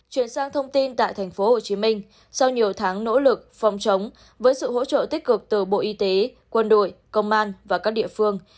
chuyển sang thông tin tại tp hcm sau nhiều tháng nỗ lực phòng chống với sự hỗ trợ tích cực từ bộ y tế quân đội công an và các địa phương